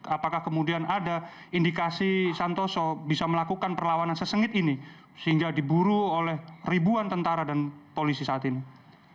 apakah kemudian ada indikasi santoso bisa melakukan perlawanan sesengit ini sehingga diburu oleh ribuan tentara dan polisi saat ini